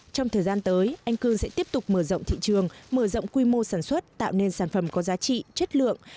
trong thời gian tới anh cư sẽ tiếp tục mở rộng thị trường mở rộng quy mô sản xuất tạo nên sản phẩm có giá trị chất lượng